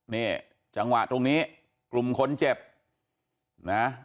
นี่จังหวะตรงนี้กลุ่มคนเจ็บนะ